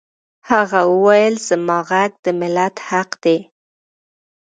هغه وویل زما غږ د ملت حق دی